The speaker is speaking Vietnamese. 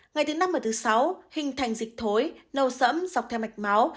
ngày thứ năm và thứ sáu hình thành dịch thối nâu sẫm dọc theo mạch máu